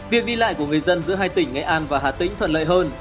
việc đi lại của người dân giữa hai tỉnh nghệ an và hà tĩnh thuận lợi hơn